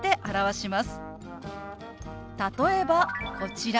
例えばこちら。